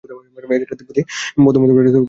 এছাড়া তিব্বতি বৌদ্ধ মতবাদ নিয়ে গভীর গবেষণা করেন।